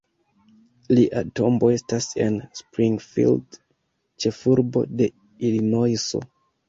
Lia tombo estas en Springfield, ĉefurbo de Ilinojso.